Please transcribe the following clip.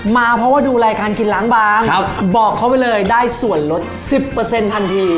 มาเพราะว่าดูรายการกินล้างบางครับบอกเขาไปเลยได้ส่วนลดสิบเปอร์เซ็นต์ทันที